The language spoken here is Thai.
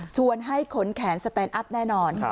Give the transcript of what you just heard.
ให้ขนแขนสแตนอัพแน่นอน